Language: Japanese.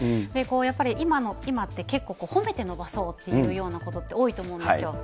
やっぱり今って結構、褒めて伸ばそうというようなことって多いと思うんですよ。